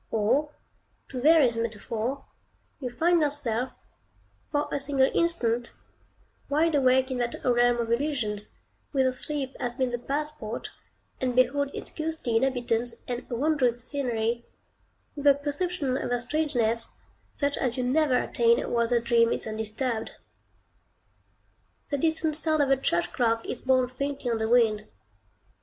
Or, to vary the metaphor, you find yourself, for a single instant, wide awake in that realm of illusions, whither sleep has been the passport, and behold its ghostly inhabitants and wondrous scenery, with a perception of their strangeness, such as you never attain while the dream is undisturbed. The distant sound of a church clock is borne faintly on the wind.